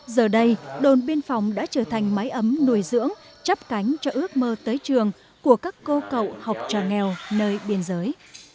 giờ đây đồn biên phòng đã trở thành máy ấm nuôi dưỡng chấp cánh cho ước mơ tới trường của các cô cậu học trò nghèo nơi biên giới